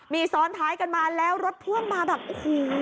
มีซ้อนท้ายกันมาแล้วรถพ่วงมาแบบโอ้โห